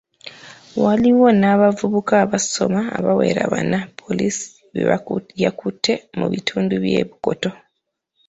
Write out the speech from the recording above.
Waliwo n’abavubuka abasoma abawera bana, poliisi be yakutte mu bitundu by’e Bukoto.